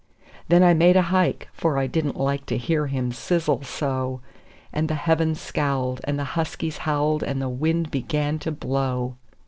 Then I made a hike, for I didn't like to hear him sizzle so; And the heavens scowled, and the huskies howled, and the wind began to blow.